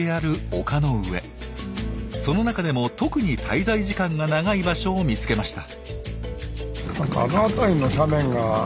その中でも特に滞在時間が長い場所を見つけました。